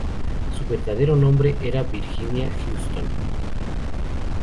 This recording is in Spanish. Su verdadero nombre era Virginia Houston.